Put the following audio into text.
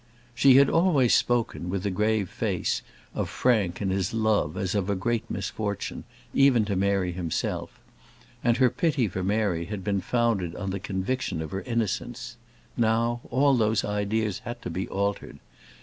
She had always spoken, with a grave face, of Frank and his love as of a great misfortune, even to Mary herself; and her pity for Mary had been founded on the conviction of her innocence. Now all those ideas had to be altered.